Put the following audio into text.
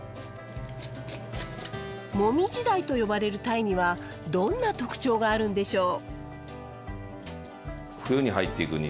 「モミジダイ」と呼ばれるタイにはどんな特徴があるんでしょう？